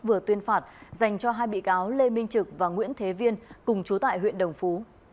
vừa tuyên phạt dành cho hai bị cáo lê minh trực và nguyễn thế viên cùng chú tại huyện đồng phú